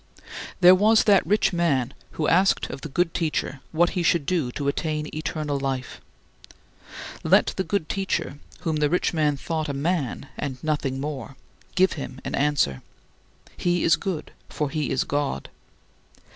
There was that rich man who asked of the good Teacher what he should do to attain eternal life. Let the good Teacher (whom the rich man thought a man and nothing more) give him an answer he is good for he is God.